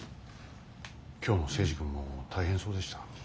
今日の征二君も大変そうでした。